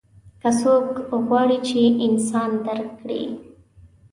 که څوک غواړي چې انسان درک کړي.